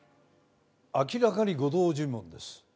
明らかに誤導尋問です。